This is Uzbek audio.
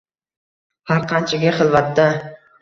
Har qanchaki xilvatda